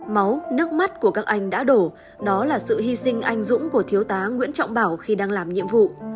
máu nước mắt của các anh đã đổ đó là sự hy sinh anh dũng của thiếu tá nguyễn trọng bảo khi đang làm nhiệm vụ